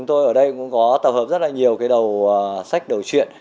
ở đây cũng có tàu hợp rất là nhiều cái đầu sách đầu truyện